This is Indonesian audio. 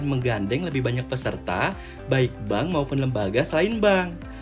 menggandeng lebih banyak peserta baik bank maupun lembaga selain bank